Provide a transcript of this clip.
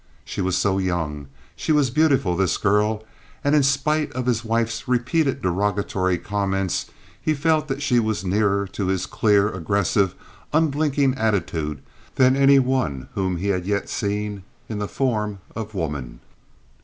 She was so young. She was beautiful, this girl, and in spite of his wife's repeated derogatory comments he felt that she was nearer to his clear, aggressive, unblinking attitude than any one whom he had yet seen in the form of woman.